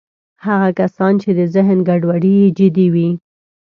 هغه کسان چې د ذهن ګډوډۍ یې جدي وي